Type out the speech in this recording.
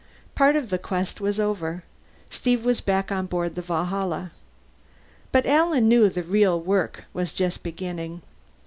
Part of the quest was over; Steve was back on board the Valhalla. But Alan knew the real work was just beginning.